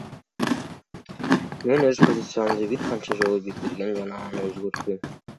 Мен өз позициямды бир канча жолу билдиргем жана аны өзгөртпөйм.